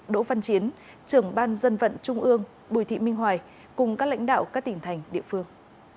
đỗ văn chiến trưởng ban dân vận trung ương bùi thị minh hoài cùng các lãnh đạo các tỉnh thành địa phương